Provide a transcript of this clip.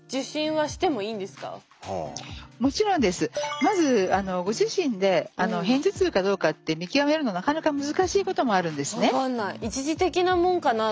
まずあのご自身で片頭痛かどうかって見極めるのなかなか難しいこともあるんですね。分かんない。